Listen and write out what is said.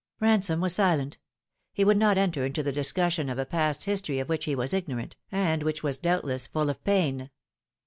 Eansome was silent. He would not enter into the discussion of a past history of which he was ignorant, and which was doubt less full of pain.